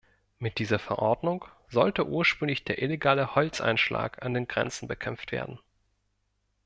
Mit dieser Verordnung sollte ursprünglich der illegale Holzeinschlag an den Grenzen bekämpft werden.